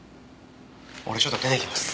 俺ちょっと出てきます。